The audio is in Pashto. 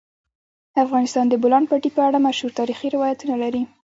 افغانستان د د بولان پټي په اړه مشهور تاریخی روایتونه لري.